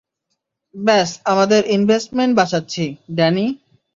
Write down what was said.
ব্যস আমাদের ইনভেস্টমেন্ট বাঁচাচ্ছি, ড্যানি।